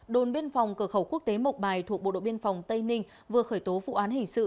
đồn biên phòng cửa khẩu quốc tế mộc bài thuộc bộ đội biên phòng tây ninh vừa khởi tố vụ án hình sự